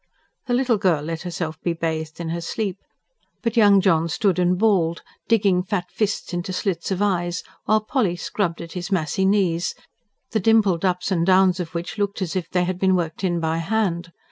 The little girl let herself be bathed in her sleep; but young John stood and bawled, digging fat fists into slits of eyes, while Polly scrubbed at his massy knees, the dimpled ups and downs of which looked as if they had been worked in by hand.